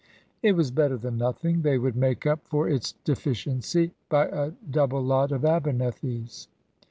It was better than nothing. They would make up for its deficiency by a double lot of Abernethys.